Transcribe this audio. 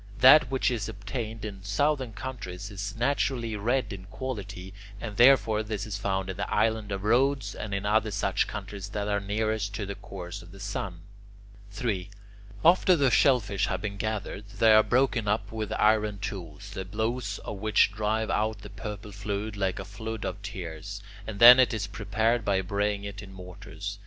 That which is obtained in southern countries is naturally red in quality, and therefore this is found in the island of Rhodes and in other such countries that are nearest to the course of the sun. 3. After the shellfish have been gathered, they are broken up with iron tools, the blows of which drive out the purple fluid like a flood of tears, and then it is prepared by braying it in mortars.